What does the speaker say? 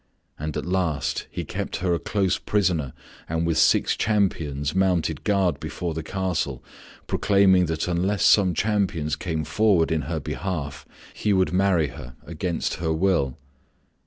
And at last he kept her a close prisoner and with six companions mounted guard before the castle proclaiming that unless some champions came forward in her behalf he would marry her against her will.